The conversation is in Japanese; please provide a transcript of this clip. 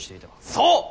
そう！